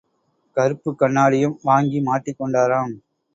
கறுப்புக் கண்ணாடியும் வாங்கி மாட்டிக் கொண்டாராம்.